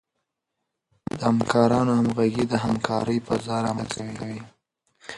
د همکارانو همغږي د همکارۍ فضا رامنځته کوي.